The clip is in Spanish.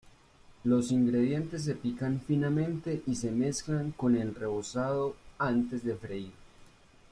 Los ingredientes se pican finamente y se mezclan con el rebozado antes de freír.